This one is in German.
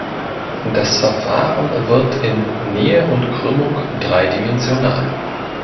Das Verfahren wird in „Nähe und Krümmung“ dreidimensional.